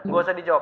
gue usah dijawab